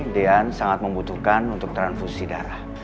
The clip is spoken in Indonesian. dean sangat membutuhkan untuk transfusi darah